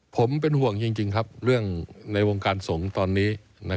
ผมเป็นห่วงจริงครับเรื่องในวงการสงฆ์ตอนนี้